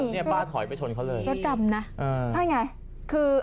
เนี้ยป้าถอยไปชนเขาเลยรถกรรมน่ะอืมใช่ไงคือ